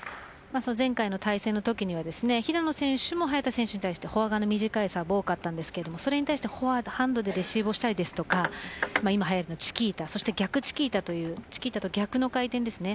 前回の対戦のときには平野選手も早田選手に対してフォア側の短いサーブ多かったですけどそれに対してフォアハンドでレシーブをしたりチキータ、逆チキータというチキータと逆の回転ですね。